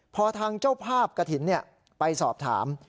พอทางเจ้าภาพกระถิ่นไปสอบถาม